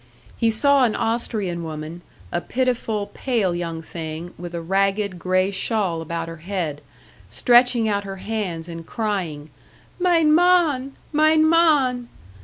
He saw an Austrian woman, a pitiful, pale young thing with a ragged grey shawl about her head, stretching out her hands and crying: "Mein Mann! Mein Mann!"